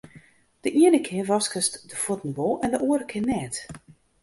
De iene kear waskest de fuotten wol en de oare kear net.